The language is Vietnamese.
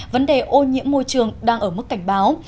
vấn đề ô nhiễm môi trường đang ở mức cảnh báo